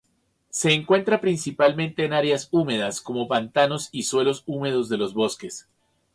Se encuentra principalmente en áreas húmedas, como pantanos y suelos húmedos de los bosques.